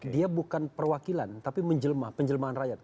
dia bukan perwakilan tapi menjelma penjelmaan rakyat